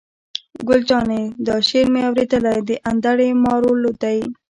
ګل جانې: دا شعر مې اورېدلی، د انډرې مارول دی.